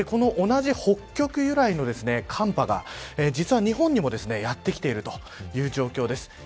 同じ、北極由来の寒波が実は日本にもやってきているという状況です。